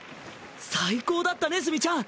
最高だったね墨ちゃん！